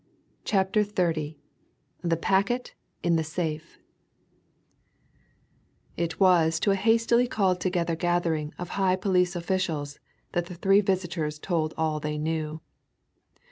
CHAPTER XXX THE PACKET IN THE SAFE It was to a hastily called together gathering of high police officials that the three visitors told all they knew.